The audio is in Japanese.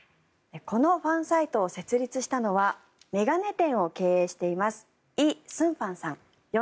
このファンサイトを設立したのは眼鏡店を経営していますイ・スンファンさん